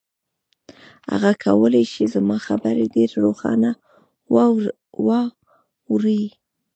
هغه کولای شي زما خبرې ډېرې روښانه واوري.